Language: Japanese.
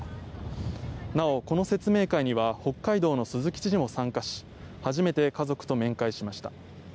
なお、この説明会には北海道の鈴木知事も参加し初めて家族と面会しました。